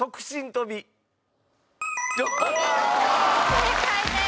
正解です！